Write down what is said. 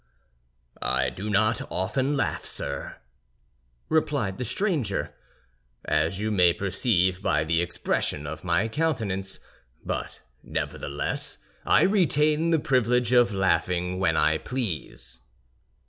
"I do not often laugh, sir," replied the stranger, "as you may perceive by the expression of my countenance; but nevertheless I retain the privilege of laughing when I please."